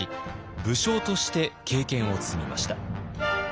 武将として経験を積みました。